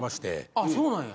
ああそうなんや。